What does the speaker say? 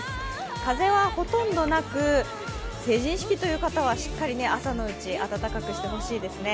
風はほとんどなく、成人式という方は、しっかり朝のうち、暖かくしてほしいですね。